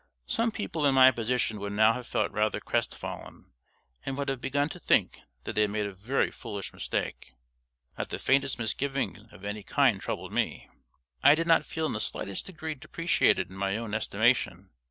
Some people in my position would now have felt rather crestfallen, and would have begun to think that they had made a very foolish mistake. Not the faintest misgiving of any kind troubled me. I did not feel in the slightest degree depreciated in my own estimation.